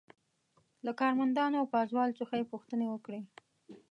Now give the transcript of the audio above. له کارمندانو او پازوالو څخه یې پوښتنې وکړې.